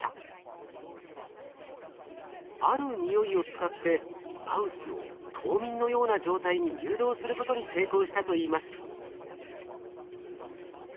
あるにおいを使ってマウスを冬眠のような状態に誘導することに成功したといいます。